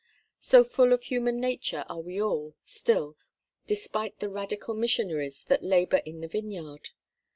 So full of human nature are we all—still—despite the Radical missionaries that labour in the vineyard.